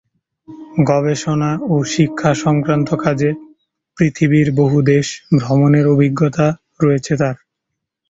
গবেষণা ও শিক্ষা সংক্রান্ত কাজে পৃথিবীর বহু দেশ ভ্রমণের অভিজ্ঞতা রয়েছে তার।